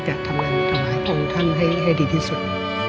ทุกครั้งที่ทำก็อยากจะทำงานของท่านให้ดีที่สุด